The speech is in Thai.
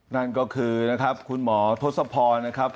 นั่นก็คือนะครับคุณหมอทศพรนะครับ